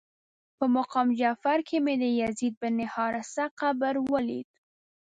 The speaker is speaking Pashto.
په مقام جعفر کې مې د زید بن حارثه قبر ولید.